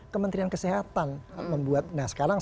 kementerian kesehatan membuat nah sekarang